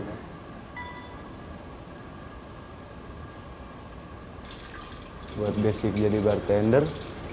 buat basic jadi bartender